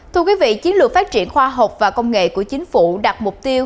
thưa quý vị chiến lược phát triển khoa học và công nghệ của chính phủ đặt mục tiêu